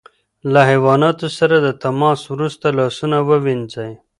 له حیواناتو سره د تماس وروسته لاسونه ووینځئ.